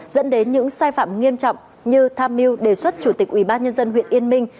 dẫn đến những sai phạm nghiêm trọng như tham mưu đề xuất chủ tịch ubnd huyện yên minh